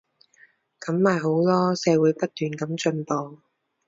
噉咪好囉，社會不斷噉進步